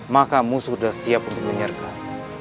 maka musuh sudah siap untuk menyergap